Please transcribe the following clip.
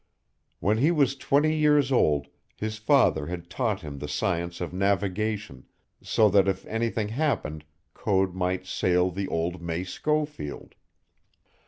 When he was twenty years old his father had taught him the science of navigation, so that if anything happened Code might sail the old May Schofield.